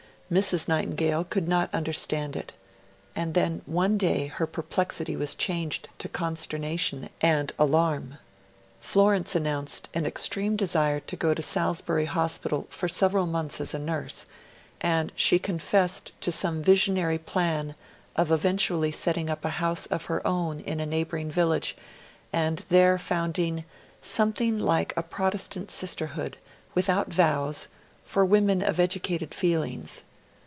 Mrs. Nightingale could not understand it; and then one day her perplexity was changed to consternation and alarm. Florence announced an extreme desire to go to Salisbury Hospital for several months as a nurse; and she confessed to some visionary plan of eventually setting up in a house of her own in a neighbouring village, and there founding 'something like a Protestant Sisterhood, without vows, for women of educated feelings'.